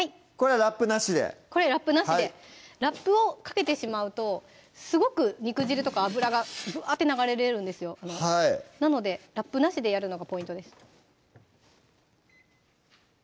これラップなしでこれラップなしでラップをかけてしまうとすごく肉汁とか脂がぶわって流れ出るんですよなのでラップなしでやるのがポイントです